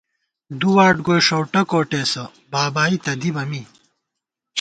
دُو واٹ گوئی ݭؤٹہ کوٹېسہ بابائی تہ دِبہ می